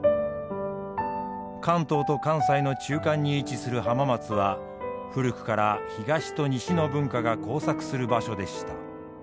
関東と関西の中間に位置する浜松は古くから東と西の文化が交錯する場所でした。